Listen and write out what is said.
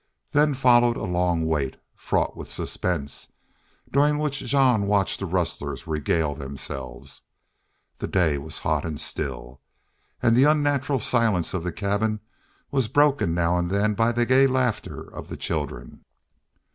Then followed a long wait, fraught with suspense, during which Jean watched the rustlers regale themselves. The day was hot and still. And the unnatural silence of the cabin was broken now and then by the gay laughter of the children.